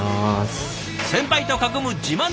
先輩と囲む自慢の社食